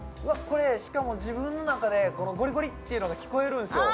これしかも自分の中でこのゴリゴリっていうのが聞こえるんですよ